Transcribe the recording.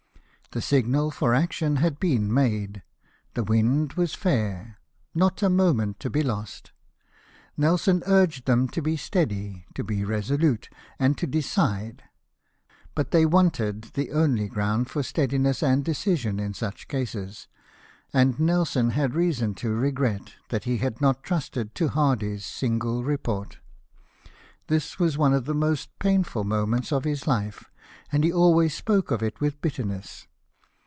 The signal for action had been made, the wind was fair — not a moment to be lost. Nelson urged them to be steady — to be resolute, and to decide — but they wanted the only gi'ound for steadiness and decision in such cases ; and Nelson had reason to regret that he had not trusted to Hardy's single report. This was one of the most painful moments of his hfe, and he always spoke of it with bitterness.